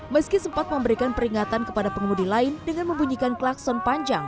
meski sempat memberikan peringatan kepada pengemudi lain dengan membunyikan klakson panjang